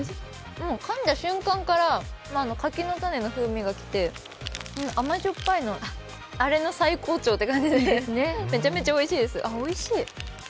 かんだ瞬間から柿の種の風味がきて甘じょっぱいの最高潮という感じでめちゃめちゃおいしいです。